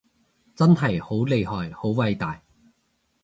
真係好厲害好偉大